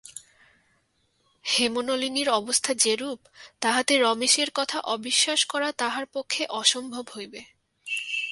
হেমনলিনীর অবস্থা যেরূপ, তাহাতে রমেশের কথা অবিশ্বাস করা তাহার পক্ষে অসম্ভব হইবে।